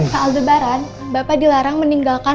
pak aldebaran bapak dilarang meninggalkan